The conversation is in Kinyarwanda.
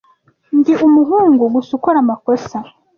Ndi umuhungu gusa ukora amakosa.